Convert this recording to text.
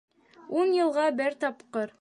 Ун йылға бер тапҡыр!